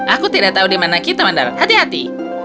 aku tidak tahu di mana kita mendarat hati hati